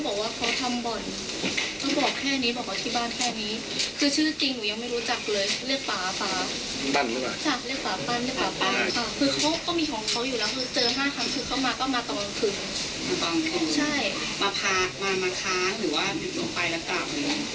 มาพักมามะค้างหรือว่าหยุดออกไปแล้วกับ